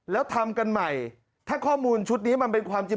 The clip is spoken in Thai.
แล้วทำกันใหม่ถ้าข้อมูลชุดนี้มันเป็นความจริง